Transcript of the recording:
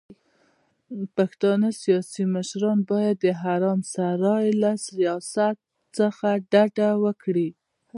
پښتانه سياسي مشران بايد د حرم سرای له سياست څخه ډډه وکړي.